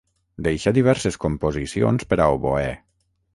Deixà diverses composicions per a oboè.